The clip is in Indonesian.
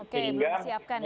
oke belum disiapkan ya